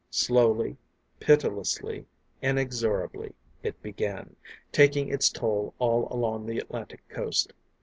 Slowly, pitilessly, inexorably, it began, taking its toll all along the Atlantic coast.